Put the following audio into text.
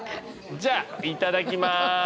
じゃあいただきます。